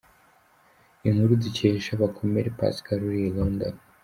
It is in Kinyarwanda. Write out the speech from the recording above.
Inkuru dukesha Bakomere Pascal uri i London.